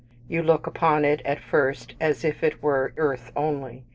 You look upon it at first as if it were earth only.